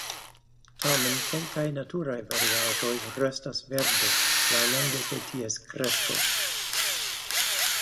Tamen kelkaj naturaj variaĵoj restas verde laŭlonge de ties kresko.